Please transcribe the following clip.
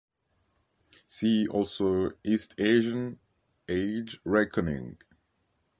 See also East Asian age reckoning.